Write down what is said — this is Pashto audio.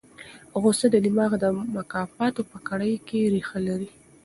غوسه د دماغ د مکافاتو په کړۍ کې ریښه لري.